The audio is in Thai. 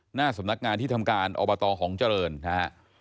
หน้าสำนักงานที่ทำการอบตหองเจริญนะฮะ